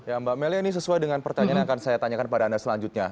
ya mbak melia ini sesuai dengan pertanyaan yang akan saya tanyakan pada anda selanjutnya